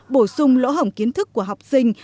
bổ sung lỗ hỏng kiến thức của học sinh